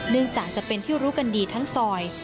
เนื่องจากจะเป็นที่รู้กันดีทั้งสอย